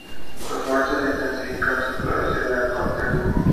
Los machos intensifican su coloración en el cortejo.